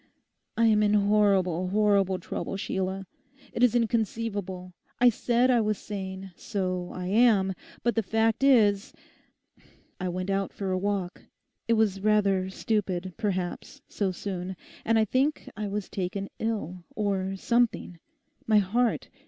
I am in horrible, horrible trouble, Sheila. It is inconceivable. I said I was sane: so I am, but the fact is—I went out for a walk; it was rather stupid, perhaps, so soon: and I think I was taken ill, or something—my heart.